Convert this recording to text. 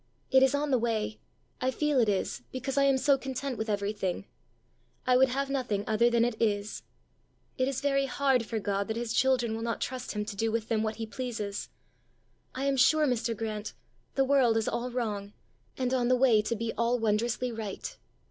It is on the way; I feel it is, because I am so content with everything; I would have nothing other than it is. It is very hard for God that his children will not trust him to do with them what he pleases! I am sure, Mr. Grant, the world is all wrong, and on the way to be all wondrously right.